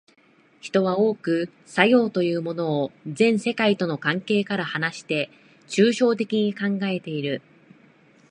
人は多く作用というものを全世界との関係から離して抽象的に考えている。